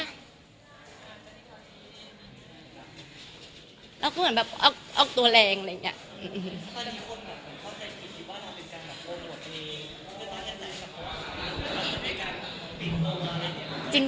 แล้วคือเหมือนออกตัวแรง